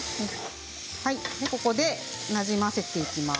ここで、なじませていきます。